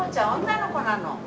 女の子なの？